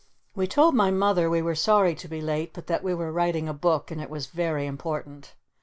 We told my Mother we were sorry to be late but that we were writing a book and it was very important.